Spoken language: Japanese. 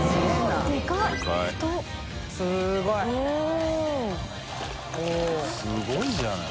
すごいじゃない。